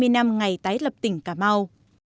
năm ngày tái lập tỉnh cà mau